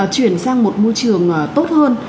chuyển sang một môi trường tốt hơn